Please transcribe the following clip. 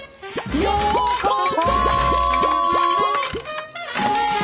「ようこそ」